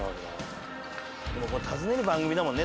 でもこれ訪ねる番組だもんね